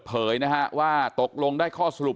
เผยนะฮะว่าตกลงได้ข้อสรุป